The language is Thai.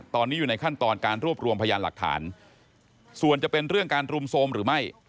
ตอนนี้อยู่ในขั้นตอนการรวบรวมพยานหลักฐานส่วนจะเป็นเรื่องการรุมโทรมหรือไม่